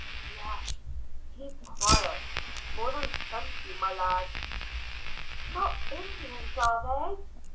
"Yes; keep quiet. More than twenty, my lads." "Not Indians, are they?"